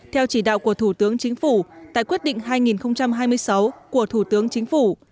theo chỉ đạo của thủ tướng chính phủ tại quyết định hai nghìn hai mươi sáu của thủ tướng chính phủ